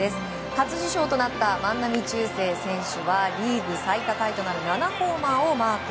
初受賞となった万波中正選手はリーグ最多タイとなる７ホーマーをマーク。